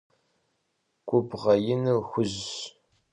Губгъуэ иныр хужьщ.